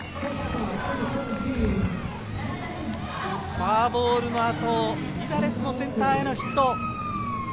フォアボールの後、ビダレスのセンターへのヒット。